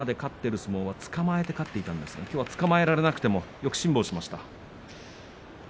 これまで勝っている相撲はつかまえて勝っていましたがきょうは、つかまえられなくてもよく辛抱しました。